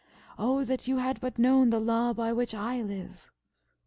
Oh that you had but known the law by which I live!"